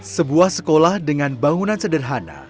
sebuah sekolah dengan bangunan sederhana